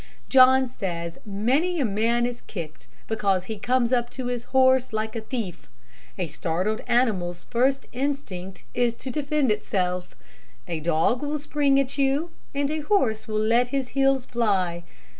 John says many a man is kicked, because he comes up to his horse like a thief. A startled animal's first instinct is to defend itself. A dog will spring at you, and a horse will let his heels fly.